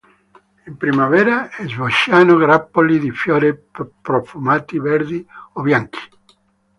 In primavera sbocciano grappoli di fiori profumati verdi o bianchi.